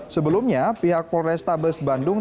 sebelumnya pihak polres tabes bandung